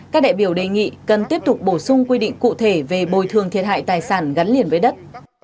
các đại biểu đề nghị cần tiếp tục bổ sung quy định cụ thể về bồi thường thiệt hại tài sản gắn liền với đất